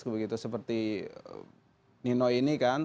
begitu seperti nino ini kan